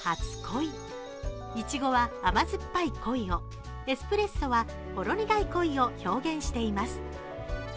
いちごは甘酸っぱい恋を、エスプレッソはほろ苦い恋を表現しています。